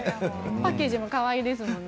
パッケージもかわいいですよね。